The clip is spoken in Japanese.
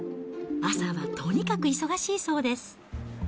朝はとにかく忙しいそうです。